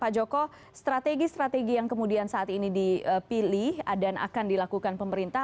pak joko strategi strategi yang kemudian saat ini dipilih dan akan dilakukan pemerintah